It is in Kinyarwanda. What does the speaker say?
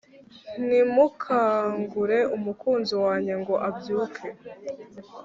Ntimukangure umukunzi wanjye ngo abyuke